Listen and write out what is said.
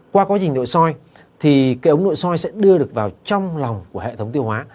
qua quá trình nội soi thì cái ống nội soi sẽ đưa được vào trong lòng của hệ thống tiêu hóa